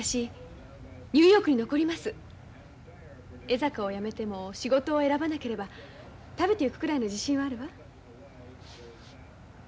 江坂を辞めても仕事を選ばなければ食べてゆくくらいの自信はあるわ。